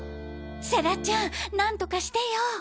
世良ちゃんなんとかしてよ！